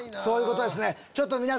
そういうことですね。